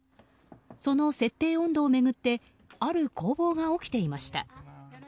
その設定温度を巡ってある攻防が起きていました。